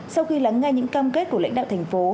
sau khi lắng nghe những cam kết của lãnh đạo thành phố